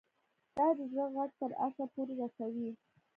دا د زړه غږ تر عرشه پورې رسوي